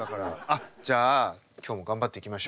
じゃあ今日も頑張っていきましょう。